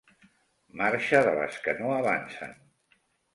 Marxa de les que no avancen.